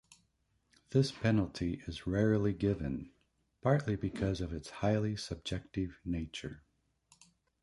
This penalty is rarely given, partly because of its highly subjective nature.